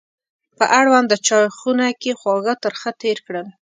په اړونده چایخونه کې خواږه ترخه تېر کړل.